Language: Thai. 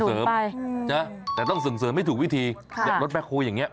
ส่งเสริมไปจะแต่ต้องส่งเสริมไม่ถูกวิธีค่ะรถแบคโคอย่างเงี้ย